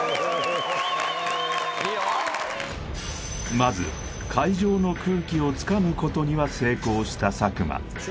まず会場の空気をつかむことには成功した佐久間